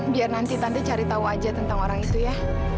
biar nanti tante cari tahu aja tentang orang itu ya